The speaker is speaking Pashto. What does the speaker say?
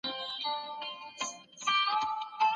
پانګه باید په سم ډول په کار واچول سي.